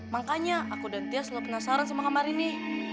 makanya aku dan tia selalu penasaran sama kamar ini